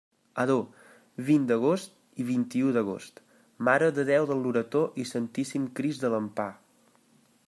Ador: vint d'agost i vint-i-u d'agost, Mare de Déu del Loreto i Santíssim Crist de l'Empar.